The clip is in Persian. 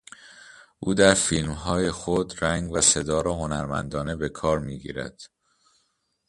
او در فیلمهای خود رنگ و صدا را هنرمندانه به کار میگیرد.